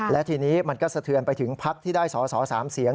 และทีนี้มันก็สะเทือนไปถึงพักที่ได้สอสอ๓เสียง